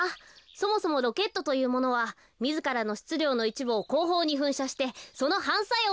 そもそもロケットというものはみずからのしつりょうのいちぶをこうほうにふんしゃしてそのはんさようで。